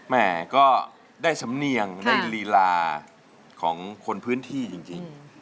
แม่ก็ได้สำเนียงในลีลาของคนพื้นที่จริง